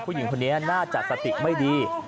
ผู้หญิงคนนี้น่าจะสติไม่ดี